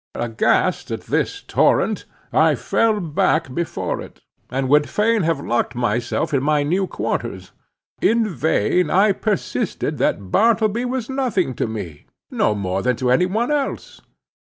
Aghast at this torrent, I fell back before it, and would fain have locked myself in my new quarters. In vain I persisted that Bartleby was nothing to me—no more than to any one else.